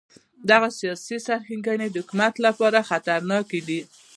دغه سیاسي سرکښان د حکومت لپاره خطرناک وو.